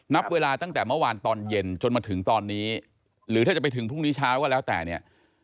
นับเวลาตั้งแต่เมื่อวานตอนเย็นจนมาถึงตอนนี้หรือถ้าจะไปถึงพรุ่งนี้เช้าก็แล้วแต่เนี่ย